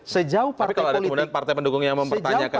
tapi kalau ada kemudian partai pendukung yang mempertanyakan